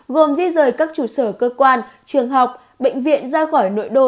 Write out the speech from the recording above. gồm di rời các trụ sở cơ quan trường học bệnh viện ra khỏi nội đô